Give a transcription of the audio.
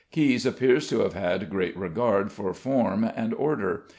Caius appears to have had great regard for form and order.